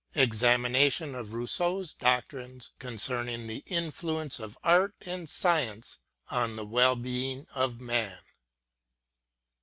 EXAMINATION OF ROUSSEAU'S DOCTRINES CONCERNING THE INFLUENCE OF ART AND SCIENCE ON THE WELL BEING OF MAN.